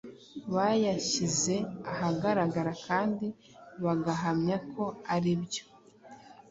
bayashyize ahagaragara kandi bagahamya ko aribyo